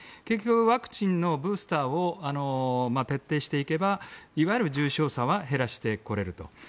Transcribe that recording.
結局、ワクチンのブースターを徹底していけばいわゆる重症者は減らしてこれると。